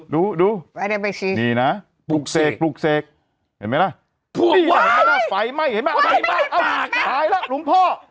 ดูดูนี่นะปลูกเสกปลูกเสกเห็นไหมล่ะไฟไหม้เห็นไหมหายแล้วหลวงพ่อ